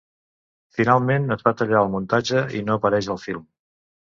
Finalment, es va tallar al muntatge i no apareix al film.